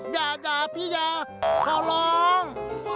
อย่าอย่าพี่อย่าขอร้อง